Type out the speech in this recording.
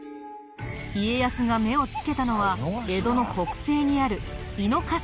家康が目をつけたのは江戸の北西にある井の頭池。